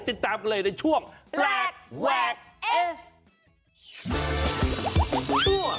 ติดตามกันเลยในช่วงแปลกแวกเอ